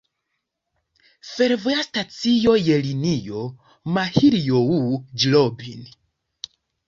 Fervoja stacio je linio Mahiljoŭ-Ĵlobin.